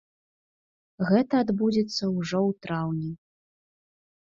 Гэта адбудзецца ўжо ў траўні.